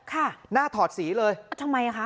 ค่ะหน้าถอดสีเลยทำไมอ่ะคะ